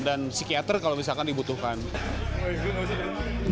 dokter kalau misalkan dibutuhkan